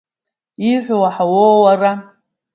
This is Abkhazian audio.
Ииҳәо уаҳауоу, уара!